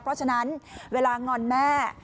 เพราะฉะนั้นเวลางอนแม่